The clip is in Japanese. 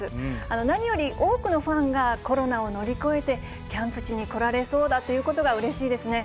何より、多くのファンがコロナを乗り越えて、キャンプ地に来られそうだということが、うれしいですね。